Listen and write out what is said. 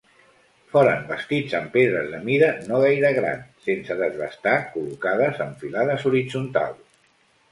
Foren bastits amb pedres de mida no gaire gran, sense desbastar, col·locades amb filades horitzontals.